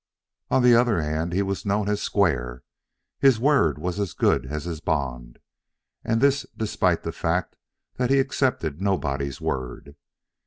On the other hand, he was known as "square." His word was as good as his bond, and this despite the fact that he accepted nobody's word.